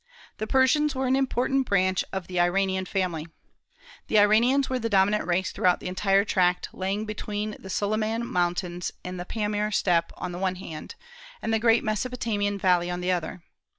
The Persians were an important branch of the Iranian family. "The Iranians were the dominant race throughout the entire tract lying between the Suliman mountains and the Pamir steppe on the one hand, and the great Mesopotamian valley on the other."